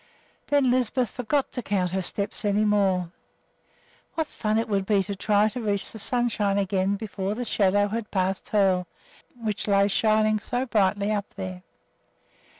Then Lisbeth forgot to count her steps any more. What fun it would be to try to reach the sunshine again before the shadow had passed Hoel, which lay shining so brightly up there!